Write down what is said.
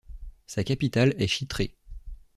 Sa capitale est Chitré.